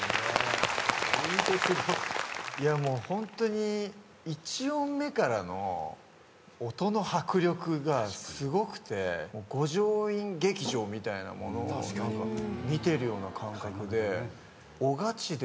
いやもうホントに１音目からの音の迫力がすごくて五条院劇場みたいなものを見てるような感覚でおガチでおパーフェクトだったなって。